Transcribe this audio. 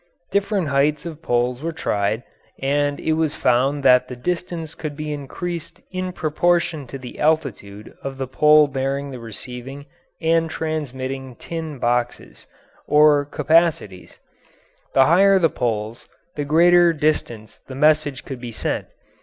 Different heights of poles were tried, and it was found that the distance could be increased in proportion to the altitude of the pole bearing the receiving and transmitting tin boxes or "capacities" the higher the poles the greater distance the message could be sent.